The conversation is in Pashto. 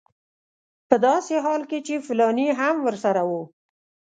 په داسې حال کې چې فلانی هم ورسره و.